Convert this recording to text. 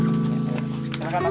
mereka berdua berada di rumah